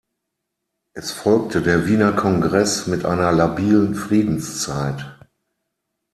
Es folgte der Wiener Kongress mit einer labilen Friedenszeit.